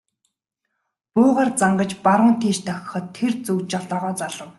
Буугаар зангаж баруун тийш дохиход тэр зүг жолоогоо залав.